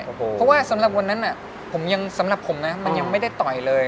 เพราะว่าสำหรับวันนั้นผมยังสำหรับผมนะมันยังไม่ได้ต่อยเลย